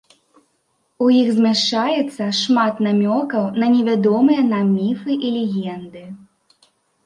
У іх змяшчаецца шмат намёкаў на невядомыя нам міфы і легенды.